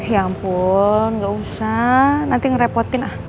ya ampun gak usah nanti ngerepotin ah